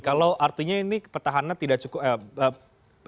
kalau artinya ini petahana tidak cukup